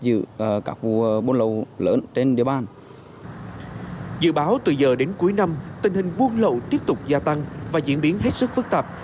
dự báo từ giờ đến cuối năm tình hình buôn lậu tiếp tục gia tăng và diễn biến hết sức phức tạp